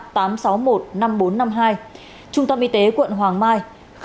một mươi năm nghìn bốn trăm năm mươi hai trung tâm y tế quận hoàng mai